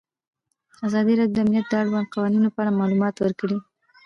ازادي راډیو د امنیت د اړونده قوانینو په اړه معلومات ورکړي.